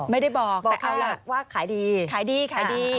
ไม่ได้บอกบอกเขาแหละว่าขายดี